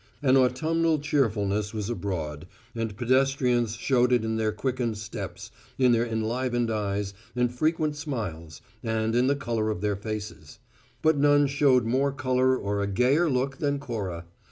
An autumnal cheerfulness was abroad, and pedestrians showed it in their quickened steps, in their enlivened eyes, and frequent smiles, and in the colour of their faces. But none showed more colour or a gayer look than Cora.